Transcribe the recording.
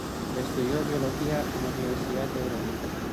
Estudió biología en la Universidad de Groninga.